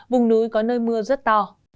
vùng núi có nơi mưa rất to